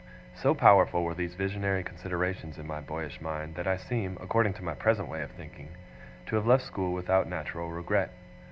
So powerful were these visionary considerations in my boyish mind, that I seem, according to my present way of thinking, to have left school without natural regret.